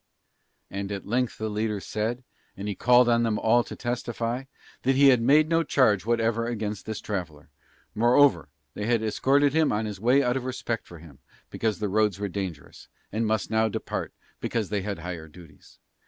And at length the leader said, and he called on them all to testify, that he had made no charge whatever against this traveller; moreover, they had escorted him on his way out of respect for him, because the roads were dangerous, and must now depart because they had higher duties.